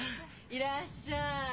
いらっしゃい。